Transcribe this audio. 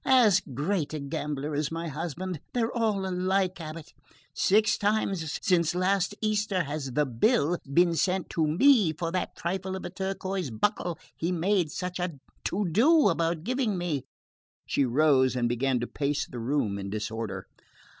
"As great a gambler as my husband. They're all alike, abate: six times since last Easter has the bill been sent to me for that trifle of a turquoise buckle he made such a to do about giving me." She rose and began to pace the room in disorder.